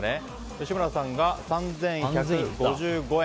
吉村さんが３１５５円。